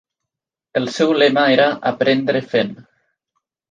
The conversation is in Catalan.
El seu lema era "aprendre fent".